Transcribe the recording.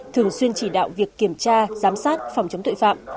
thường xuyên chỉ đạo việc kiểm tra giám sát phòng chống tội phạm